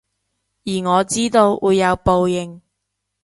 而我知道會有報應